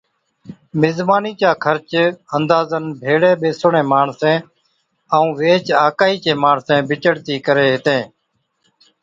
مزمانِي چا خرچ اندازن ڀيڙَي ٻيسوڙين ماڻسين ائُون ويھِچ آڪھِي چين ماڻسين بچڙتِي ڪرين ھِتين